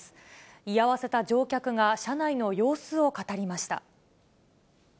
居合わせた乗客が車内の様子を語りました。